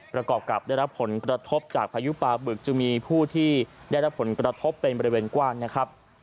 ประกอบกับได้รับผลกระทบจากพายุปลาบึกจึงมีผู้ที่ได้รับผลกระทบเป็นบริเวณกว้างนะครับ